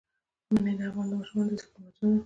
منی د افغان ماشومانو د زده کړې موضوع ده.